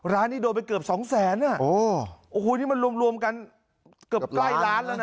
ร้านนี้โดนไปเกือบ๒๐๐นาอัหวุ่ยนี้มันรวมกันเกือบใกล้ล้านแล้วนะ